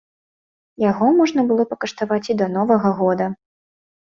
Яго можна было пакаштаваць і да новага года.